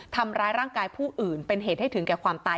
ทำร้ายร่างกายผู้อื่นเป็นเหตุให้ถึงแก่ความตาย